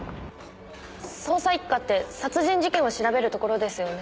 捜査一課って殺人事件を調べるところですよね？